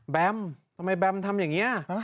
แมมทำไมแบมทำอย่างนี้